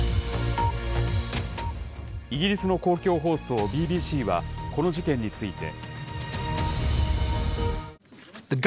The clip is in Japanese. イギリスの公共放送ＢＢＣは、この事件について。